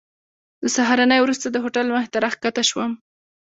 د سهارنۍ وروسته د هوټل مخې ته راښکته شوم.